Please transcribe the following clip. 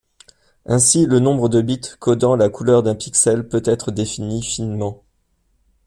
Ainsi, le nombre de bits codant la couleur d'un pixel peut être défini finement.